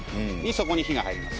そこに火が入ります。